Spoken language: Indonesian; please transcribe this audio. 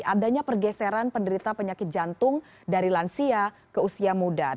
adanya pergeseran penderita penyakit jantung dari lansia ke usia muda